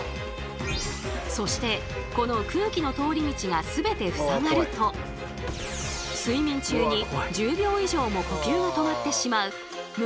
そしてこの空気の通り道が全てふさがると睡眠中に１０秒以上も呼吸が止まってしまう無呼吸症状に陥る危険が！